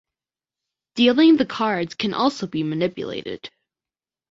Dealing the cards can also be manipulated.